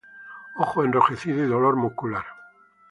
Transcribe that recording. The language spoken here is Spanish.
ojos enrojecidos y dolor muscular